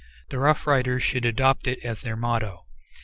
The Rough Riders should adopt it as their motto.